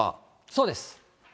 そうです。